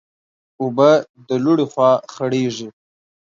اوبه د لوړي خوا خړېږي.